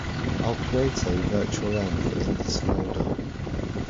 I'll create a virtualenv in this folder.